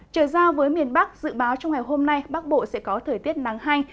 trở ra với miền bắc dự báo trong ngày hôm nay bắc bộ sẽ có thời tiết nắng hanh